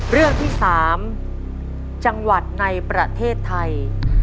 เรื่องที่๓จังหวัดในประเทศไทย